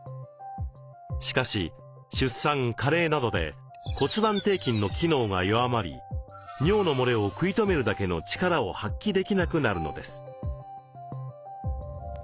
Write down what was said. しかし出産加齢などで骨盤底筋の機能が弱まり尿のもれを食い止めるだけの力を発揮できなくなるのです。